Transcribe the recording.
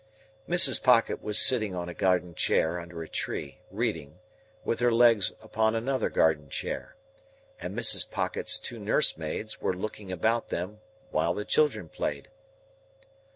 Mrs. Pocket was sitting on a garden chair under a tree, reading, with her legs upon another garden chair; and Mrs. Pocket's two nurse maids were looking about them while the children played.